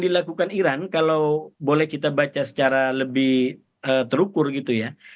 dilakukan iran kalau boleh kita baca secara lebih terukur gitu ya